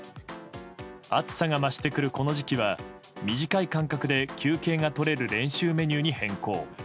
暑さが増してくるこの時期は短い間隔で休憩が取れる練習メニューに変更。